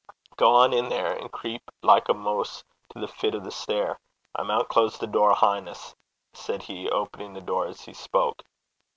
'Gang in there, and creep like a moose to the fit o' the stair. I maun close the door ahin' 's,' said he, opening the door as he spoke.